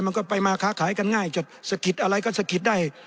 มันก็ไปมาค้าขายกันง่ายจะสะกิดอะไรก็สะกิดได้